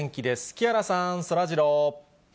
木原さん、そらジロー。